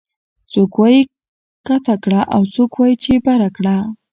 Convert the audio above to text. څوک وايي کته کړه او څوک وايي چې بره کړه